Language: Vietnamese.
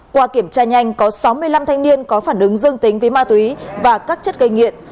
qua kiểm tra nhanh có sáu mươi năm thanh niên có phản ứng dương tính với ma túy và các chất gây nghiện